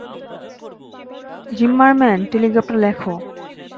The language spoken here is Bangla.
যিম্মারম্যান, টেলিগ্রাফটা লেখো।